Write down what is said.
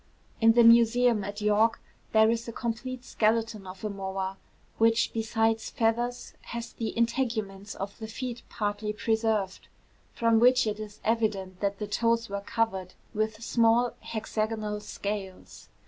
In the Museum at York there is a complete skeleton of a moa, which besides feathers, has the integuments of the feet partly preserved; from which it is evident that the toes were covered with small hexagonal scales.